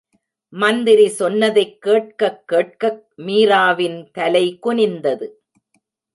மந்திரி சொன்னதைக் கேட்க கேட்கக் மீராவின் தலை குனிந்தது.